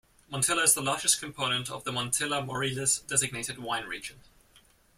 Montilla is the largest component of the Montilla-Moriles designated wine region.